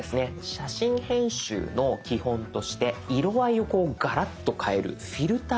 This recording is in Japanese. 写真編集の基本として色合いをこうガラッと変える「フィルター」。